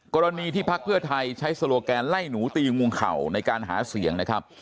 กรณีที่พักเพื่อไทยใช้โซโลแกนไล่หนูตีมุงเข่าในการหาเสียงนะครับ